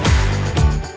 udah neken ibu